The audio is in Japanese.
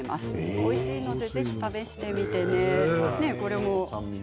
おいしいのでぜひ試してみてね。